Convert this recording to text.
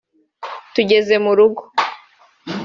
tugeze mu rugo